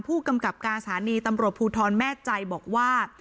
ผู้กำกับการสถานีตำรวจภูทรแม่ใจบอกว่า